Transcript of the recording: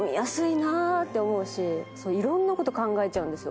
いろんなこと考えちゃうんですよ